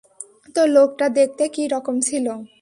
তো লোকটা দেখতে কি রকম ছিলো?